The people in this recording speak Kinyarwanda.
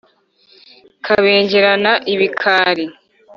kabengerana ibikari ,'